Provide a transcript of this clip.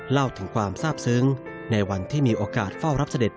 เล่าถึงความทราบซึ้งในวันที่มีโอกาสเฝ้ารับเสด็จ